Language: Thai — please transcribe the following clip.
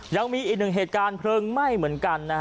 ยังมีอีกหนึ่งเหตุการณ์เพลิงไหม้เหมือนกันนะฮะ